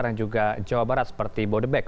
dan juga jawa barat seperti bodebek